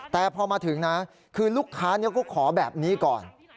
แต่พอมาถึงนะคือลูกค้าก็ขอแบบนี้ก่อน